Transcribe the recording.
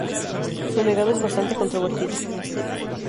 Su legado es bastante controvertido.